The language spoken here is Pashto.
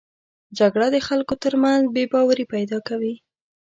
جګړه د خلکو تر منځ بې باوري پیدا کوي